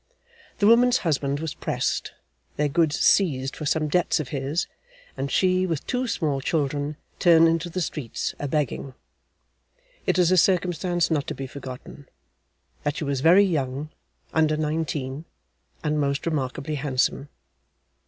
The woman's husband was pressed, their goods seized for some debts of his, and she, with two small children, turned into the streets a begging. It is a circumstance not to be forgotten, that she was very young (under nineteen), and most remarkably handsome.